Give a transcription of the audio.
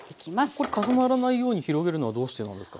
これ重ならないように広げるのはどうしてなんですか？